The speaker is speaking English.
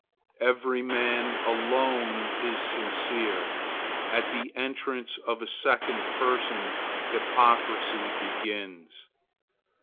Every man alone is sincere. At the entrance of a second person, hypocrisy begins.